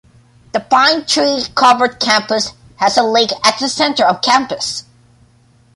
The pine tree covered campus has a lake at the center of campus.